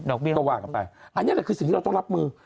เบี้ยก็ว่ากันไปอันนี้แหละคือสิ่งที่เราต้องรับมือ